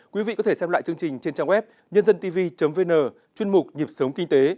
quý vị có thể xem lại chương trình trên trang web nhândântv vn chuyên mục nhịp sống kinh tế